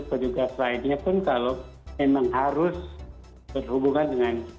petugas lainnya pun kalau memang harus berhubungan dengan